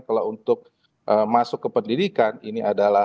kalau untuk masuk ke pendidikan ini adalah